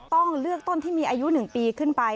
ต้องเลือกต้นที่มีอายุ๑ปีขึ้นไป